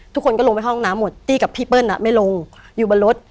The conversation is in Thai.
ทุกคนก็ลงไปห้องน้ำหมดตี้กับพี่เปิ้ลไม่ลงอยู่บนรถ